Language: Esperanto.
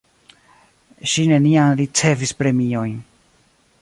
Ŝi neniam ricevis premiojn.